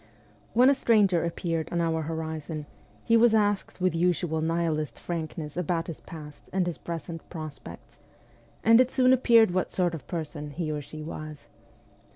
When a stranger appeared on our horizon, he was asked with usual nihilist frankness about his past and his present prospects, and it soon appeared what sort of person he or she was.